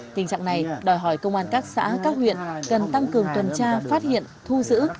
tình trạng này đòi hỏi công an các xã các huyện cần tăng cường tuần tra phát hiện thu giữ